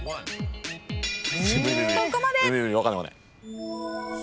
そこまで。